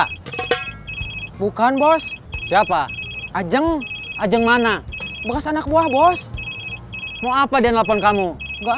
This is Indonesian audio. hai bukan bos siapa ajeng ajeng mana bekas anak buah bos mau apa dendang telefon kamu enggak